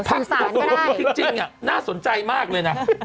เออสื่อสารก็ได้พักไว้ก่อนพี่จริงน่าสนใจมากเลยนะ